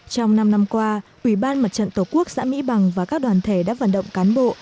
trong năm năm qua ủy ban mặt trận tổ quốc xã mỹ bằng và các đoàn thể đã vận động cán bộ